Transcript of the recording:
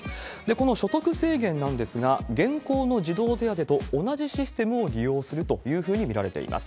この所得制限なんですが、現行の児童手当と同じシステムを利用するというふうに見られています。